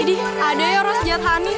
gini adeknya orang sejahat ani